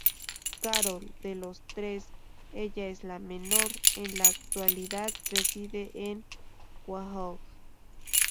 Carol, de los tres, ella es la menor, en la actualidad reside en Quahog.